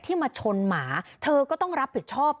มาชนหมาเธอก็ต้องรับผิดชอบ